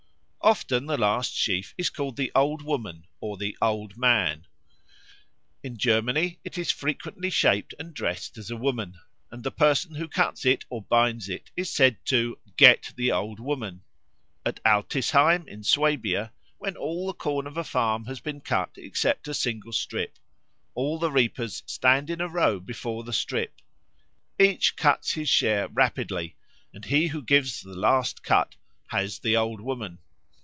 Often the last sheaf is called the Old Woman or the Old Man. In Germany it is frequently shaped and dressed as a woman, and the person who cuts it or binds it is said to "get the Old Woman." At Altisheim, in Swabia, when all the corn of a farm has been cut except a single strip, all the reapers stand in a row before the strip; each cuts his share rapidly, and he who gives the last cut "has the Old Woman."